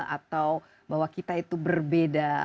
atau bahwa kita itu berbeda